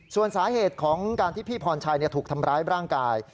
ส่วนสาเหตุของการที่พี่พรชัยถูกทำร้ายร่างกาย